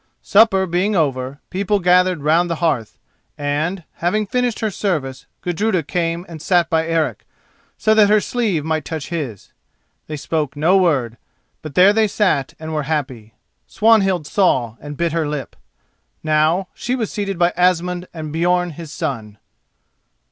Supper being over, people gathered round the hearth, and, having finished her service, Gudruda came and sat by Eric, so that her sleeve might touch his. They spoke no word, but there they sat and were happy. Swanhild saw and bit her lip. Now, she was seated by Asmund and Björn his son.